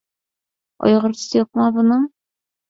ئۇيغۇرچىسى يوقما بۇنىڭ؟